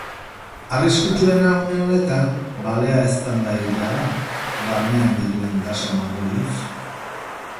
Arriskutsuena une honetan, balea eztanda egitea da, barnean dituen gasen ondorioz.